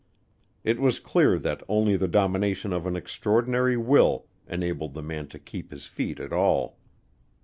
It was clear that only the domination of an extraordinary will enabled the man to keep his feet at all.